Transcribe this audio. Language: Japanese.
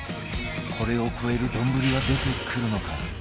これを超える丼は出てくるのか？